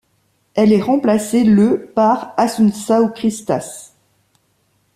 Elle est remplacée le par Assunção Cristas.